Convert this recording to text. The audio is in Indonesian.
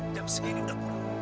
jam segini udah pulang